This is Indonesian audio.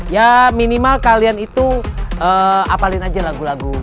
ya minimal kalian itu apalin aja lagu lagu